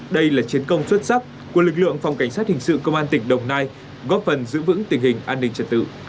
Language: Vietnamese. đây là chiến công xuất sắc của lực lượng phòng cảnh sát hình sự công an tỉnh đồng nai góp phần giữ vững tình hình an ninh trật tự